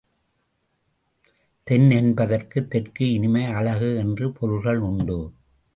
தென் என்பதற்குத் தெற்கு, இனிமை, அழகு என்ற பொருள்கள் உண்டு.